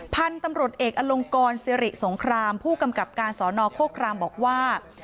พันธุ์ตำรวจเอกอลงกรสิริสงครามผู้กำกับการสอนอโคครามบอกว่า